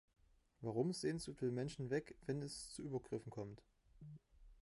Warum sehen so viele Menschen weg, wenn es zu Übergriffen kommt?